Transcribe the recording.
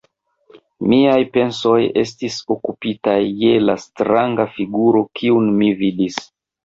Miaj pensoj estis okupitaj je la stranga figuro, kiun mi vidis.